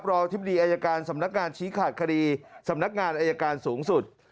อธิบดีอายการสำนักงานชี้ขาดคดีสำนักงานอายการสูงสุด